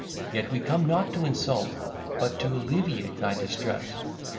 Yet we come not to insult, but to alleviate thy distress.